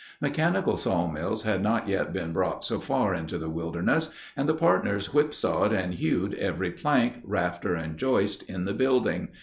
Mechanical sawmills had not yet been brought so far into the wilderness, and the partners whipsawed and hewed every plank, rafter, and joist in the building.